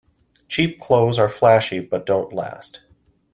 Cheap clothes are flashy but don't last.